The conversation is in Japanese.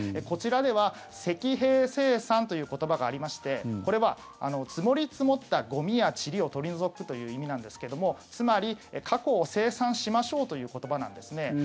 こちらでは積弊清算という言葉がありましてこれは積もり積もったゴミや、ちりを取り除くという意味なんですけどもつまり過去を清算しましょうという言葉なんですね。